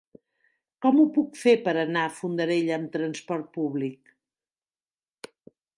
Com ho puc fer per anar a Fondarella amb trasport públic?